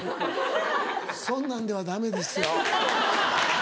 そんなんではダメですよ。